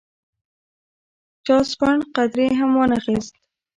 چا سپڼ قدرې هم وانه اخیست.